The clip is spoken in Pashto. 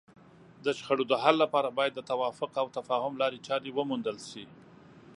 د شخړو د حل لپاره باید د توافق او تفاهم لارې چارې وموندل شي.